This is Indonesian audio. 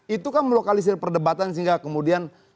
itu kan melokalisir perdebatan sehingga kemudian